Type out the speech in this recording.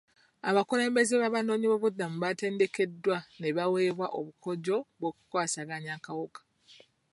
Abakulembeze b'abanoonyi b'obubudamu batendekeddwa ne baweebwa obukodyo bw'okukwasaganya akawuka.